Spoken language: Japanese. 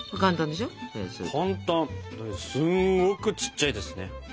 でもすんごくちっちゃいですね。